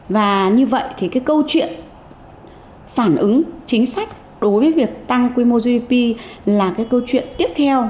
và như vậy thì cái câu chuyện phản ứng chính sách đối với việc tăng quy mô gdp là cái câu chuyện tiếp theo